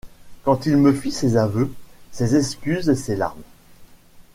Quand il me fit ses aveux, ses excuses et ses larmes...